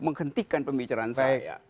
menghentikan pembicaraan saya